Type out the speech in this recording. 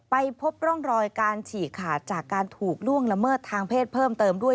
ไปพบร่องรอยการฉีกขาดจากการถูกล่วงละเมิดทางเพศเพิ่มเติมด้วย